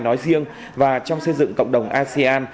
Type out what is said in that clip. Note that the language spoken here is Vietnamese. nói riêng và trong xây dựng cộng đồng asean